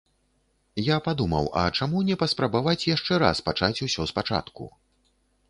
Я падумаў, а чаму не паспрабаваць яшчэ раз пачаць усё спачатку.